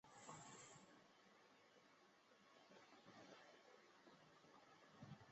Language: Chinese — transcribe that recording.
曾获国科会优等研究奖及中华民国教育部教学特优教师奖。